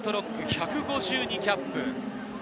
１５２キャップ。